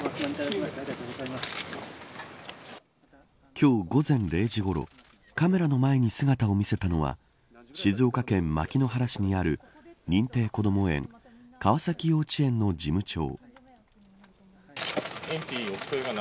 今日、午前０時ごろカメラの前に姿を見せたのは静岡県牧之原市にある認定こども園川崎幼稚園の事務長。